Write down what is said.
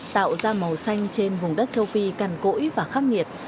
tạo ra màu xanh trên vùng đất châu phi cằn cỗi và khắc nghiệt